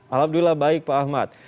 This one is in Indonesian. alhamdulillah baik pak ahmad